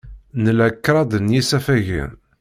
Nla kraḍ n yisafagen.